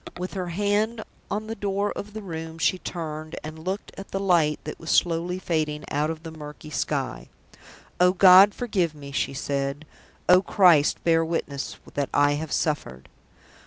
With her hand on the door of the room, she turned and looked at the light that was slowly fading out of the murky sky. "Oh, God, forgive me!" she said. "Oh, Christ, bear witness that I have suffered!"